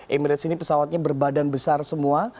emirates ini pesawatnya berbadan besar semua